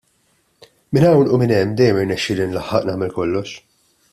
Minn hawn u minn hemm dejjem irnexxieli nlaħħaq nagħmel kollox.